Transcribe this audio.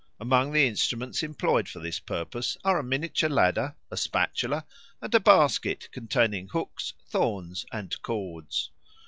Among the instruments employed for this purpose are a miniature ladder, a spatula, and a basket containing hooks, thorns, and cords.